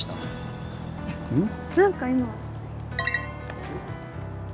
何か今。